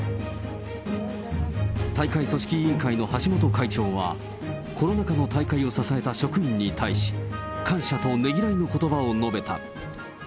大会組織委員会の橋本会長は、コロナ禍の大会を支えた職員に対し、感謝とねぎらいのことばを述べた。